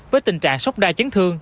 với tình trạng sốc đai chấn thương